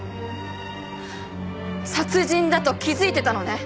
殺人だと気づいてたのね。